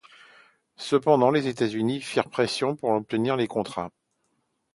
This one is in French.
Cependant les États-Unis firent pression pour obtenir les contrats.